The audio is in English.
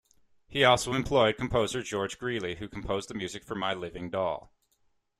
He also employed composer George Greeley who composed the music for "My Living Doll".